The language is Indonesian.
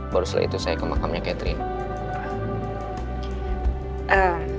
baru setelah itu saya ke makamnya catherine